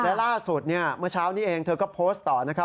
และล่าสุดเนี่ยเมื่อเช้านี้เองเธอก็โพสต์ต่อนะครับ